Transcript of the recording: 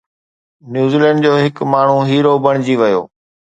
New Zealand جو هڪ ماڻهو هيرو بڻجي ويو